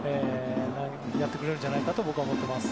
やってくれるじゃないかと僕は思っています。